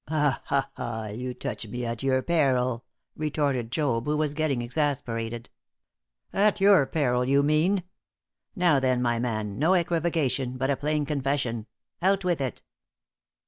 "Ha! ha! You touch me at your peril!" retorted Job, who was getting exasperated. "At your peril, you mean! Now, then, my man, no equivocation, but a plain confession. Out with it!"